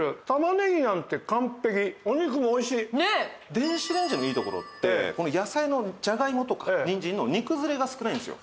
電子レンジのいいところってこの野菜のじゃがいもとかにんじんの煮崩れが少ないんですよ。